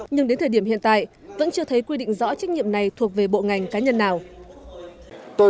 nhưng đến thời điểm hiện tại vẫn chưa thấy quy định rõ trách nhiệm này thuộc về bộ ngành cá nhân nào